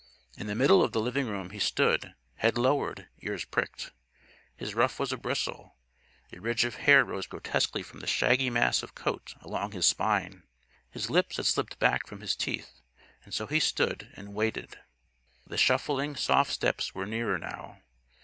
In the middle of the living room he stood, head lowered, ears pricked. His ruff was abristle. A ridge of hair rose grotesquely from the shaggy mass of coat along his spine. His lips had slipped back from his teeth. And so he stood and waited. The shuffling, soft steps were nearer now.